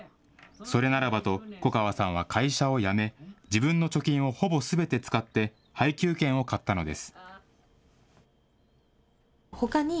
それならばと、粉川さんは会社を辞め、自分の貯金をほぼすべて使って配給権を買ったのです。